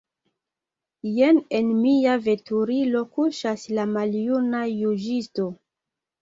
Jen en mia veturilo kuŝas la maljuna juĝisto.